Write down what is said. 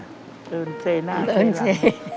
ตื่นเจน่าตื่นเจน่า